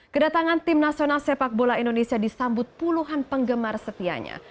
kedatangan tim nasional sepak bola indonesia disambut puluhan penggemar setianya